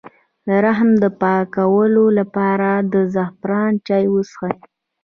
د رحم د پاکوالي لپاره د زعفران چای وڅښئ